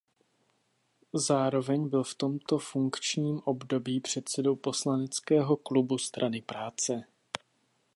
Zároveň byl v tomto funkčním období předsedou poslaneckého klubu Strany práce.